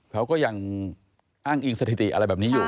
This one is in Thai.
เขาก็ยังอ้างอิงสถิติอะไรแบบนี้อยู่